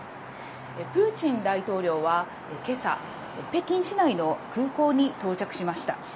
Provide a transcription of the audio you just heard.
プーチン大統領はけさ、北京市内の空港に到着しました。